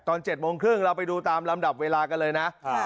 ตอน๗โมงครึ่งเราไปดูตามลำดับเวลากันเลยนะ